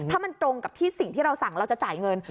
ถ้ามันตรงกับที่สิ่งที่เราสั่งเราจะจ่ายเงิน